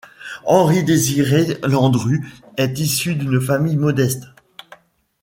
Henri Désiré Landru est issu d'une famille modeste.